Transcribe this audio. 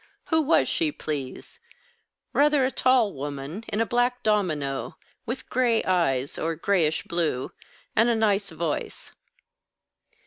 Who was she, please? Rather a tall woman, in a black domino, with gray eyes, or grayish blue, and a nice voice."